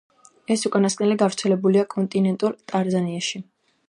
ეს უკანასკნელი გავრცელებულია კონტინენტურ ტანზანიაში.